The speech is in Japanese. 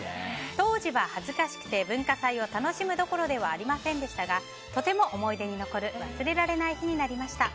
当時は恥ずかしくて文化祭を楽しむどころではありませんでしたがとても思い出に残る忘れられない日になりました。